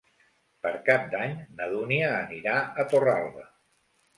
Per Cap d'Any na Dúnia anirà a Torralba.